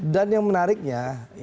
dan yang menariknya